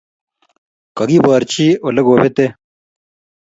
kokiborchi ole kobetee